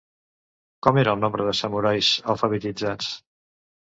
Com era el nombre de samurais alfabetitzats?